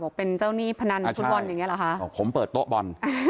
ค่ะเดี๋ยวตอนนี้เปิดโต๊ะบอล